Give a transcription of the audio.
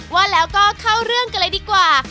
ว่าแล้วก็เข้าเรื่องกันเลยดีกว่า